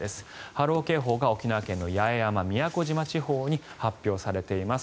波浪警報が沖縄県の八重山・宮古島地方に発表されています。